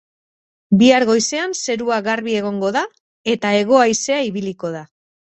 Bihar goizean zerua garbi egongo da eta hego-haizea ibiliko da.